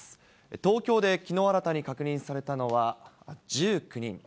東京できのう新たに確認されたのは１９人。